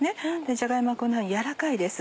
じゃが芋はこんなふうに柔らかいです。